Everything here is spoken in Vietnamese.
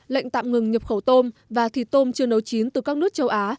lệnh tạm ngừng nhập khẩu tôm và thịt tôm chưa nấu chín từ các nước châu á